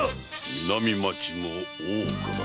⁉南町の大岡だ。